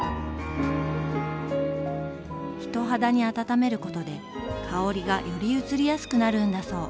人肌に温めることで香りがよりうつりやすくなるんだそう。